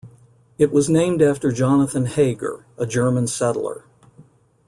It was named after Jonathan Hager, a German settler.